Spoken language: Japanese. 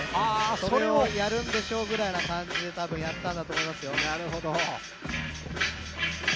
それをやるんでしょ？ぐらいの感じでやったんだと思いますよ。